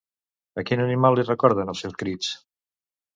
A quin animal li recorden els seus crits?